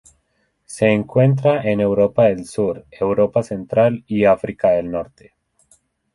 Se encuentra en Europa del sur, Europa central y África Del norte.